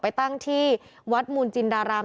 ไปตั้งที่วัดมูลจินดาราม